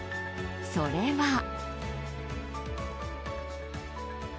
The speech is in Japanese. それは。